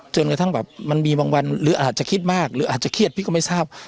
จนกระทั่งแบบมันมีบางวันหรืออาจจะคิดมากหรืออาจจะเครียดพี่ก็ไม่ทราบ